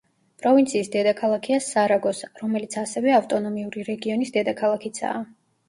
პროვინციის დედაქალაქია სარაგოსა, რომელიც ასევე ავტონომიური რეგიონის დედაქალაქიცაა.